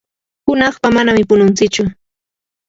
hunaqpa manami pununtsichu.